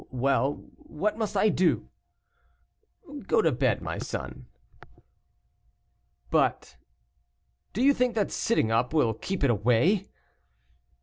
"Well, what must I do?" "Go to bed, my son." "But " "Do you think that sitting up will keep it away?"